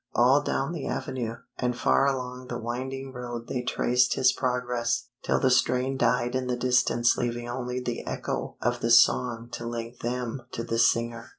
All down the avenue, and far along the winding road they traced his progress, till the strain died in the distance leaving only the echo of the song to link them to the singer.